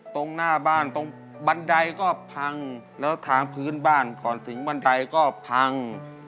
ตรงหน้าบ้านตรงบันไดก็พังแล้วทางพื้นบ้านก่อนถึงบันไดก็พัง